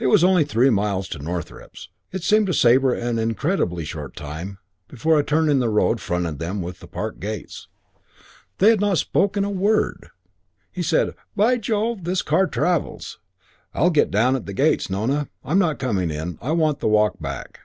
III It was only three miles to Northrepps. It seemed to Sabre an incredibly short time before a turn in the road fronted them with the park gates. And they had not spoken a word! He said, "By Jove, this car travels! I'll get down at the gates, Nona. I'm not coming in. I want the walk back."